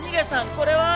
これは？